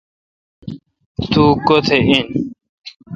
تو کوتھ این۔